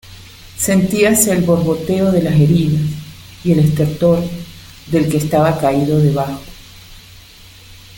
sentíase el borboteo de las heridas, y el estertor del que estaba caído debajo.